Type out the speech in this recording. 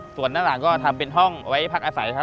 ส่วนด้านหลังก็ทำเป็นห้องไว้พักอาศัยครับ